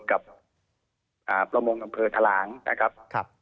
กับประมงอำเภอทะลางนะครับ